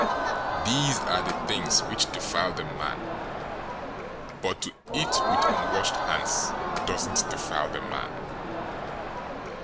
015:020 These are the things which defile the man; but to eat with unwashed hands doesn't defile the man."